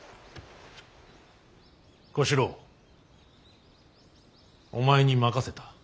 小四郎お前に任せた。